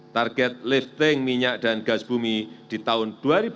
target lifting minyak dan gas bumi di tahun dua ribu dua puluh